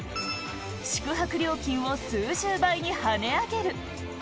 宿泊料金を数十倍に跳ね上げる。